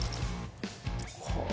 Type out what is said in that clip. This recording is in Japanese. はあ！